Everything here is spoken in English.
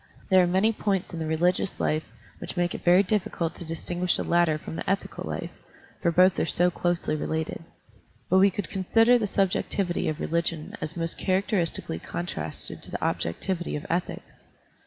There are many points in the religious life jvhich make it very difficult to distinguish the latter from the ethical life, for both are so closely related. But we could consider the subjectivity of religion as most characteristically contrasted to the objectivity of ethics.